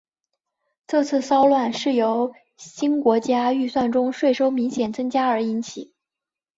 这次骚乱由新国家预算中税收明显增加而引起。